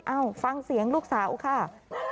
เอ้าฟังเสียงลูกสาวค่ะ